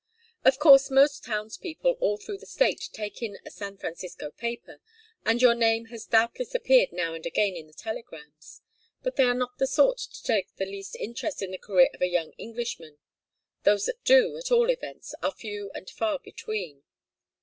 Of course most townspeople all through the State take in a San Francisco paper, and your name has doubtless appeared now and again in the telegrams. But they are not the sort that take the least interest in the career of a young Englishman those that do, at all events, are few and far between.